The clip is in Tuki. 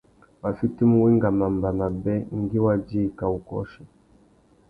Wá fitimú wenga mamba mabê ngüi wa djï kā wu kôchi.